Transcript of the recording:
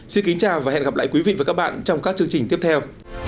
xin kính chào và hẹn gặp lại quý vị và các bạn trong các chương trình tiếp theo